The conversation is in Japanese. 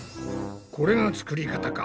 これが作り方か。